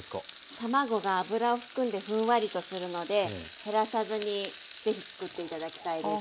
卵が油を含んでふんわりとするので減らさずにぜひつくって頂きたいです。